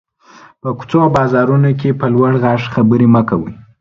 په کوڅو او بازارونو کې په لوړ غږ خبري مه کوٸ.